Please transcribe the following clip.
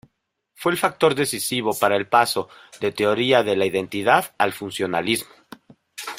Fue el factor decisivo para el paso de teoría de la identidad al funcionalismo.